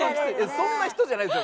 そんな人じゃないですよ。